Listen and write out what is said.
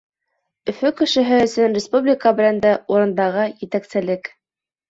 Өфө кешеһе өсөн республика бренды — урындағы етәкселек.